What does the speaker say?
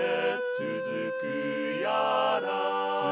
「つづくやら」